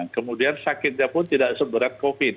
kemudian sakitnya pun tidak seberat covid